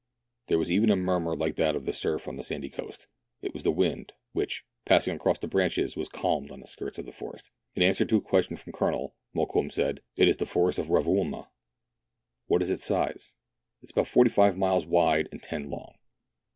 There was ever a murmur like that of the surf on a sandy coast ; it was the wind, which, passing across the branches, was calmed on the skirts of the forest. In answer to a question from the Colonel, Mokoum said, —" It is the forest of Rovouma." "What is its size?" " It is about forty five miles wide, and ten long."